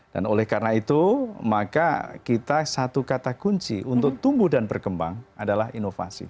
dan oleh karena itu maka kita satu kata kunci untuk tumbuh dan berkembang adalah inovasi